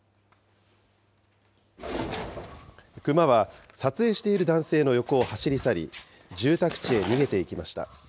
クマは撮影している男性の横を走り去り、住宅地へ逃げていきました。